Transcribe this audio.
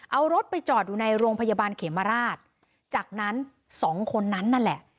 เอารถไปจอดอยู่ในโรงพยาบาลเขมราชจากนั้นสองคนนั้นนั่นแหละ